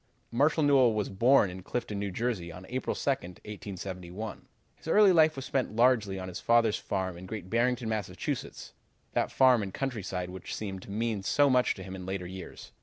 "Marshall Newell was born in Clifton, N. J., on April 2, 1871. His early life was spent largely on his father's farm in Great Barrington, Mass., that farm and countryside which seemed to mean so much to him in later years.